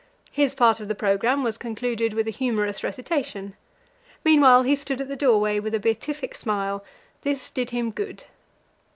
His part of the programme was concluded with a humorous recitation. Meanwhile he stood in the doorway with a beatific smile; this did him good.